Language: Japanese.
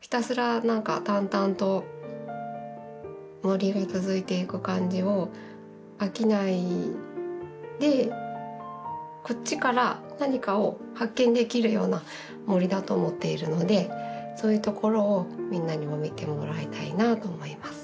ひたすら何か淡々と森が続いていく感じを飽きないでこっちから何かを発見できるような森だと思っているのでそういうところをみんなにも見てもらいたいなと思います。